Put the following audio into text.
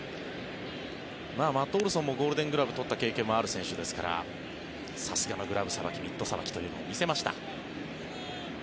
マット・オルソンもゴールデングラブを取った経験もある選手ですからさすがのミットさばきというのを見せました。